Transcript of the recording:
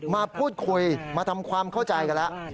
มาพูดคุยมาทำความเข้าใจกันแล้ว